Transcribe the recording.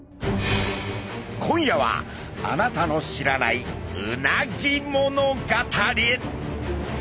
今夜はあなたの知らないうなぎ物語。